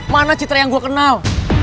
mana citra yang gue kenal